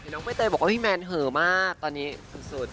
น้องใบเตยบอกว่าพี่แมนเหอะมากตอนนี้สุด